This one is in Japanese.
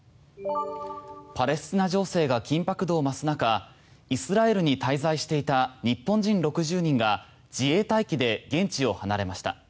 パレスチナ情勢が緊迫度を増す中イスラエルに滞在していた日本人６０人が自衛隊機で現地を離れました。